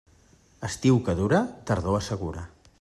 Estiu que dura, tardor assegura.